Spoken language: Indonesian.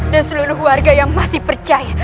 dan seluruh warga yang masih percaya